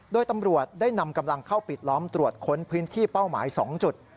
โดยตำรวจได้นำกำลังเข้าปิดล้อมตรวจค้นพื้นที่เป้าหมาย๒จุด